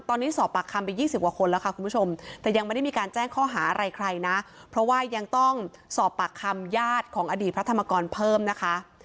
ตอนนี้สอบปากคำไป๒๐กว่าคนแล้วค่ะคุณผู้ชมแต่ยังไม่ได้มีการแจ้งข้อหาอะไรใครนะเพราะว่ายังต้องสอบปากคำญาติของอดีตพระธรรมกรเพิ่มนะคะ